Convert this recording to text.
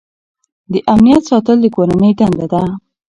د امنیت ساتل د کورنۍ دنده ده.